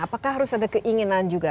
apakah harus ada keinginan juga